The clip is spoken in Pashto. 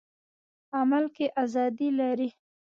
عمل کې ازادي لري.